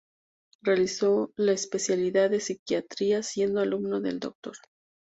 Realizó la especialidad de Psiquiatría, siendo alumno del Dr.